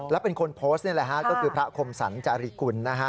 แล้วเป็นคนโพสต์นี่แหละก็คือพระคมศัลจาริกุล